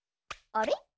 あれ？